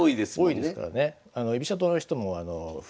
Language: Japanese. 多いですからね。